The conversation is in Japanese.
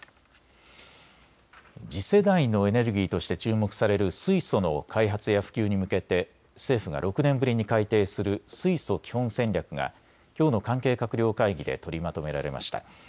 次世代のエネルギーとして注目される水素の開発や普及に向けて政府が６年ぶりに改定する水素基本戦略がきょうの関係閣僚会議で取りまとめられました。